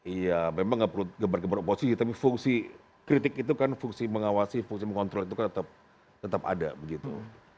iya memang nggak perlu gebar gebar oposisi tapi fungsi kritik itu kan fungsi mengawasi fungsi mengontrol itu kan tetap ada begitu